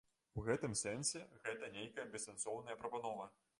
У гэтым сэнсе гэта нейкая бессэнсоўная прапанова.